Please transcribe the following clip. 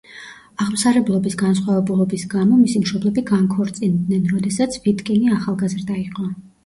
აღმსარებლობის განსხვავებულობის გამო, მისი მშობლები განქორწინდნენ, როდესაც ვიტკინი ახალგაზრდა იყო.